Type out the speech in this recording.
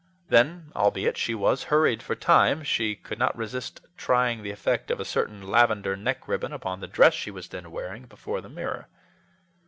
Then, albeit she was hurried for time, she could not resist trying the effect of a certain lavender neck ribbon upon the dress she was then wearing, before the mirror.